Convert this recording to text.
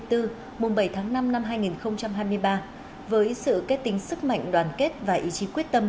mùng bảy tháng năm năm hai nghìn hai mươi ba với sự kết tính sức mạnh đoàn kết và ý chí quyết tâm